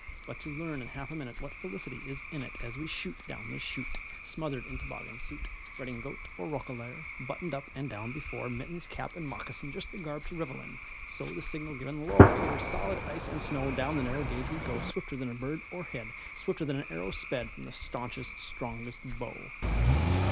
But to learn in half a minute What felicity is in it, As we shoot down the chute, Smothered in toboggan suit, Redingote or roquelaure, Buttoned up (and down) before, Mittens, cap, and moccasin, Just the garb to revel in; So, the signal given, lo! Over solid ice and snow, Down the narrow gauge we go Swifter than a bird o'erhead, Swifter than an arrow sped From the staunchest, strongest bow.